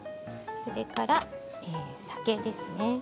それから酒です。